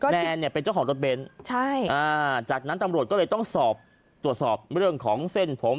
แนนเนี่ยเป็นเจ้าของรถเบนท์จากนั้นตำรวจก็เลยต้องสอบตรวจสอบเรื่องของเส้นผม